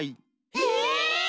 え！？